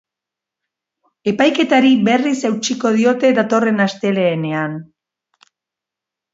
Epaiketari berriz eutsiko diote datorren astelehenean.